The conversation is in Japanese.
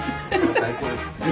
最高ですね。